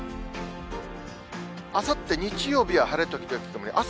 あさって日曜日は晴れ時々曇り。